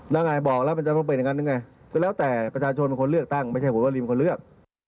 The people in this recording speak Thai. ต่างไงบอกแล้วมันจะเปิดอะไรไหมก็แล้วแต่ประชาชนคนเลือกตั้งไม่ใช่ขนเลือก